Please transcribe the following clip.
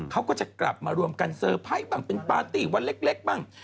เขาก็จะกลับมารวมกันเตอร์ไพรส์บ้างเป็นปาร์ตี้วันเล็กบ้าง